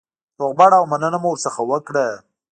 روغبړ او مننه مو ورڅخه وکړه.